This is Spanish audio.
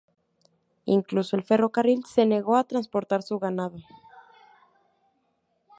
Incluso el ferrocarril se negó a transportar su ganado.